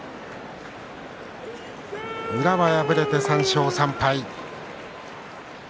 宇良は敗れて３勝３敗。